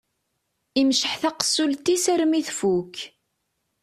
Imceḥ taqessult-is armi tfukk.